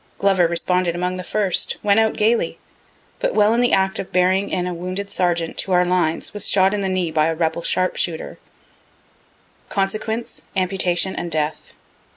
Glover responded among the first went out gayly but while in the act of bearing in a wounded sergeant to our lines, was shot in the knee by a rebel sharpshooter; consequence, amputation and death.